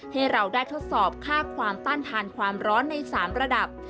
ให้เราได้ทดสอบค่าความต้านทานความร้อนใน๓ระดับ